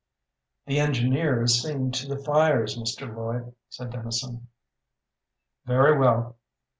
"The engineer is seeing to the fires, Mr. Lloyd," said Dennison. "Very well."